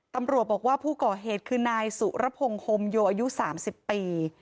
ตำรวจบอกว่าผู้ก่อเหตุคือนายสุรพงศ์โฮมโยอายุ๓๐ปี